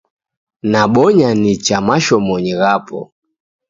Nabonya nicha mashomonyi ghapo.